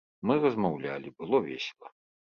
Мы размаўлялі, было весела.